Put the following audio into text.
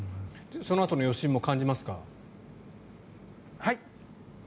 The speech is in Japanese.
そのあとの余震も感じますか？